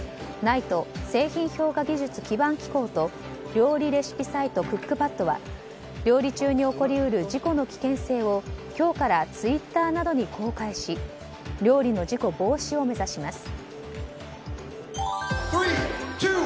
ＮＩＴＥ・製品評価技術基盤機構と料理レシピサイトクックパッドは料理中に起こり得る事故の危険性を今日からツイッターなどに公開し料理の事故防止を目指します。